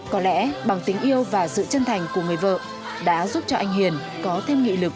có lẽ bằng tình yêu và sự chân thành của người vợ đã giúp cho anh hiền có thêm nghị lực